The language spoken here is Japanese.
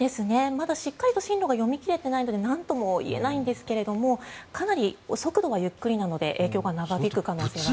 まだしっかりと進路が読み切れていないのでなんとも言えないんですがかなり速度はゆっくりなので影響が長引く恐れがあります。